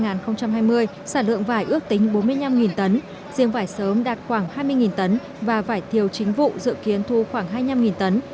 năm hai nghìn hai mươi sản lượng vải ước tính bốn mươi năm tấn riêng vải sớm đạt khoảng hai mươi tấn và vải thiều chính vụ dự kiến thu khoảng hai mươi năm tấn